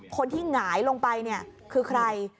คนที่หงายลงไปเนี่ยคือใคร